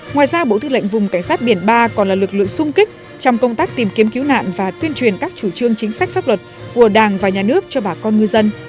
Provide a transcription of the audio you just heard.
ngoài ra bộ tư lệnh vùng cảnh sát biển ba còn là lực lượng sung kích trong công tác tìm kiếm cứu nạn và tuyên truyền các chủ trương chính sách pháp luật của đảng và nhà nước cho bà con ngư dân